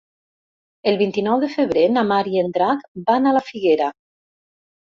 El vint-i-nou de febrer na Mar i en Drac van a la Figuera.